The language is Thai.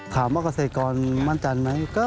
ถามว่าเกษตรกรมั่นจันไหม